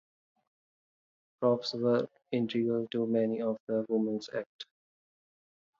Props were integral to many of the women's acts.